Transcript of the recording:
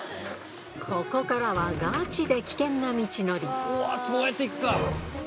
ここからはガチで危険な道のりそうやって行くか。